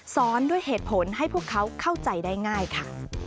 สอนด้วยเหตุผลให้พวกเขาเข้าใจได้ง่ายค่ะ